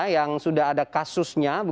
yang sudah ada kasusnya